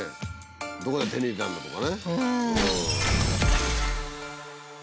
「どこで手に入れたんだ？」とかね。